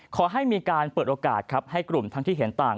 ขอให้มีการเปิดโอกาสครับให้กลุ่มทั้งที่เห็นต่าง